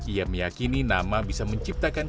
ia meyakini nama bisa menciptakan